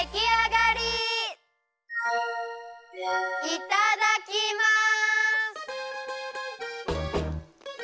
いただきます！